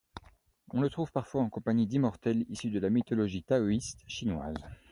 On le trouve parfois en compagnie d'immortels issus de la mythologie taoïste chinoise.